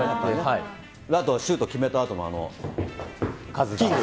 あとはシュート決めたあとの、キング。